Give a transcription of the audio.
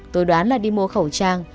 tôi đoán là đi mua khẩu trang